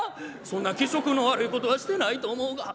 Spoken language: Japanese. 「そんな気色の悪いことはしてないと思うが。